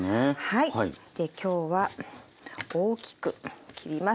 で今日は大きく切ります。